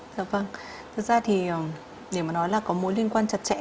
dạ vâng thực ra thì để mà nói là có mối liên quan chặt chẽ